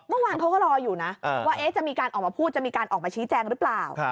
เมื่อวานเขาก็รออยู่นะว่าจะมีการออกมาพูดจะมีการออกมาชี้แจงหรือเปล่า